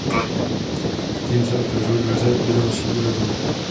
Tím se otevřou dveře do další úrovně.